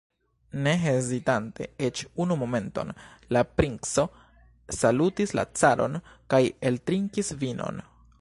Ne hezitante eĉ unu momenton, la princo salutis la caron kaj eltrinkis vinon.